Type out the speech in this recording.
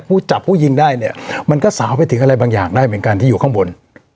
ผู้จับผู้หญิงได้เนี่ยมันก็สาวไปถึงอะไรบางอย่างได้เหมือนกันที่อยู่ข้างบน